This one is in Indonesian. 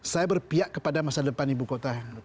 saya berpihak kepada masa depan ibu kota